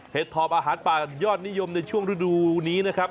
ถอบอาหารป่ายอดนิยมในช่วงฤดูนี้นะครับ